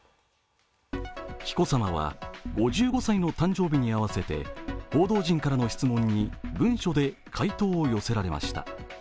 紀子さまは５５歳の誕生日に合わせて報道陣からの質問に文書で回答を寄せられました。